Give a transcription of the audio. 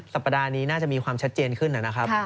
สัปดาห์นี้น่าจะมีความชัดเจนขึ้นนะครับ